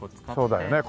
そうだよね。